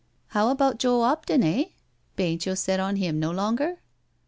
How about Joe 'Opton, eh? Bain't yo* set on ^him no longer?"